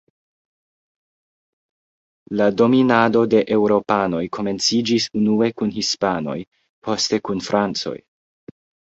La dominado de eŭropanoj komenciĝis unue kun hispanoj, poste kun francoj.